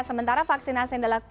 sementara vaksinasi adalah kualitas